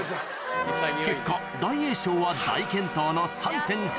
結果大栄翔は大健闘の翔猿は